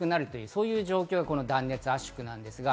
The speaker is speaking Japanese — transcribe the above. そういう状態が断熱圧縮です。